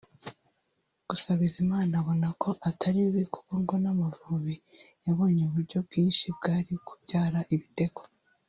Gusa Bizimana abona ko atari bibi kuko ngo n’Amavubi yabonye uburyo bwinshi bwari kubyara ibitego